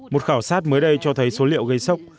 một khảo sát mới đây cho thấy số liệu gây sốc